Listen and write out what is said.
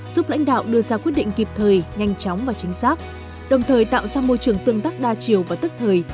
giúp lãnh đạo đưa ra quyết định kịp thời nhanh chóng và chính xác đồng thời tạo ra môi trường tương tác đa chiều và tức thời